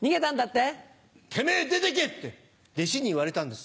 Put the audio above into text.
「てめぇ出てけ！」って弟子に言われたんです。